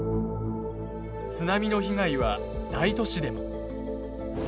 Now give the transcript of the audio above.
津波の被害は大都市でも。